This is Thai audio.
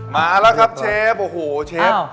มาแล้วครับเชฟโอ้โหเชฟ